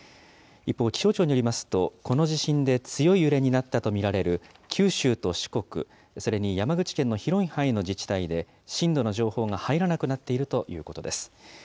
一方、気象庁によりますと、この地震で強い揺れになったと見られる九州と四国、それに山口県の広い範囲の自治体で震度の情報が入らなくなっているということです。